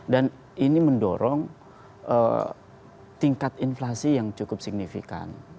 dan ini mendorong tingkat inflasi yang cukup signifikan